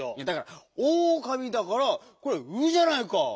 だから「おうかみ」だからこれ「う」じゃないか！